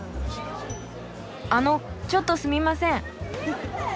あのちょっとすみません。